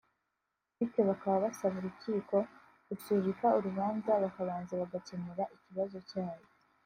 bityo bakaba basaba Urukiko gusubika Urubanza bakabanza bagakemura ikibazo cya bo